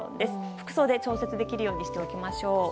服装で調節できるようにしましょう。